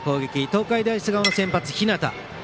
東海大菅生の先発、日當。